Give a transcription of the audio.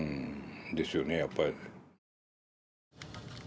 ですよねやっぱり。